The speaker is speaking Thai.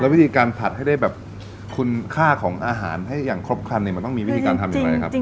วิธีการผัดให้ได้แบบคุณค่าของอาหารให้อย่างครบครันเนี่ยมันต้องมีวิธีการทำอย่างไรนะครับ